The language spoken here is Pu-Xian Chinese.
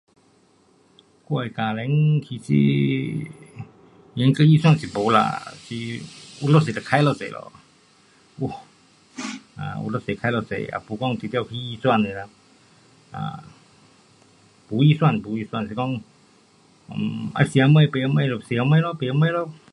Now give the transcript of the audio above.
我的家庭其实严格预算是没啦，是有多少就花多少咯， 有多少花多少。也没说提早去预算的啦 um 没预算，没预算是讲 um 要吃什么买什么就吃什么咯，买什么咯。